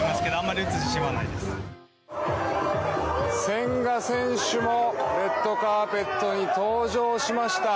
千賀選手もレッドカーペットに登場しました。